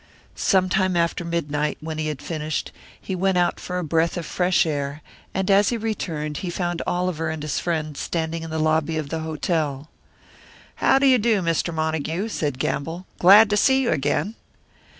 Sometime after midnight, when he had finished, he went out for a breath of fresh air, and as he returned he found Oliver and his friend standing in the lobby of the hotel. "How do you do, Mr. Montague?" said Gamble. "Glad to see you again."